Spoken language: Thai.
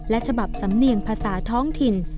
และฉบับสำเนียงภาษาท้องถิ่น